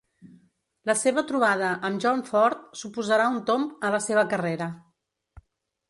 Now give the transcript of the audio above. La seva trobada amb John Ford suposarà un tomb a la seva carrera.